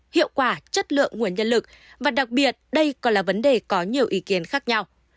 hiệu quả chất lượng nguồn nhân lực và đặc biệt đây còn là vấn đề có nhiều ý kiến khác nhau